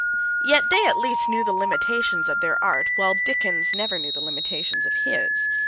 Yet they at least knew the limitations of their art, while Dickens never knew the limitations of his.